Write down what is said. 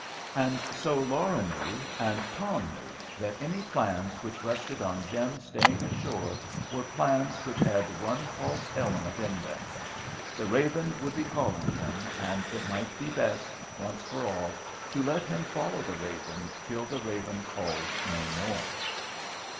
And so Laura knew, and Tom knew, that any plans which rested on Jem's staying ashore were plans which had one false element in them. The raven would be calling him, and it might be best, once for all, to let him follow the raven till the raven called no more.